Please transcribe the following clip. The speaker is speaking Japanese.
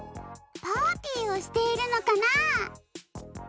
パーティーをしているのかな？